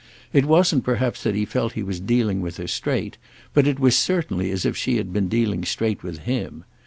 It wasn't perhaps that he felt he was dealing with her straight, but it was certainly as if she had been dealing straight with him.